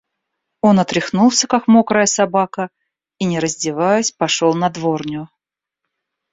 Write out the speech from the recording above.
Он отряхнулся, как мокрая собака, и, не раздеваясь, пошел на дворню.